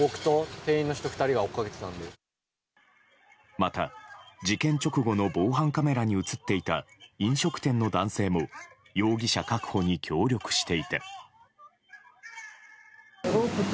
また、事件直後の防犯カメラに映っていた飲食店の男性も容疑者確保に協力していて。